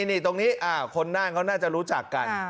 นี่ตรงนี้คนน่านเขาน่าจะรู้จักกัน